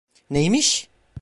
Neymiş?